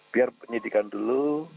biar penyidikan dulu